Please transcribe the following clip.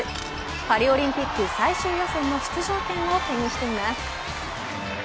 パリオリンピック最終予選の出場権を手にしています。